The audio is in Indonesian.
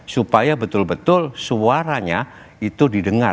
supaya betul betul suaranya itu di dengar